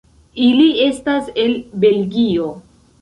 Ili estas el Belgio.